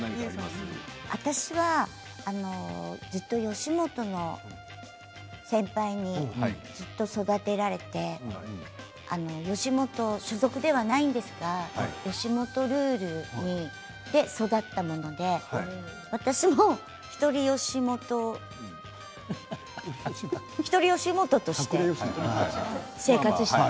私はずっと吉本の先輩にずっと育てられて吉本所属ではないんですが吉本ルールで育ったもので私も１人吉本として生活して。